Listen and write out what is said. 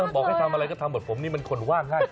บอกให้ทำอะไรก็ทำหมดผมนี่เป็นคนว่างให้